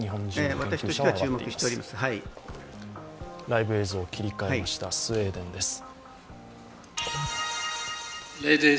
ライブ映像に切り替えました、スウェーデンです。